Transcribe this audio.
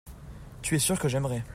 tu es sûr que j'aimerai.